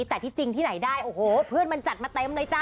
แต่ที่จริงที่ไหนได้โอ้โหเพื่อนมันจัดมาเต็มเลยจ้